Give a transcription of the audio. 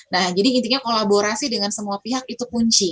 nah jadi intinya kolaborasi dengan semua pihak itu kunci